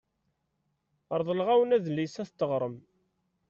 Reḍleɣ-awen adlis ad t-teɣrem.